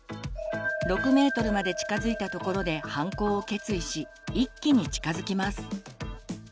６ｍまで近づいたところで犯行を決意し一気に近づきます。